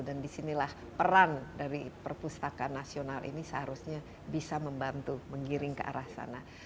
dan disinilah peran dari perpustaka nasional ini seharusnya bisa membantu mengiring ke arah sana